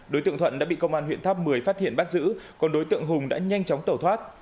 đối tượng thuận đã bị công an huyện tháp một mươi phát hiện bắt giữ còn đối tượng hùng đã nhanh chóng tẩu thoát